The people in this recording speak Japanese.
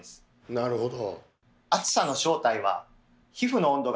なるほど。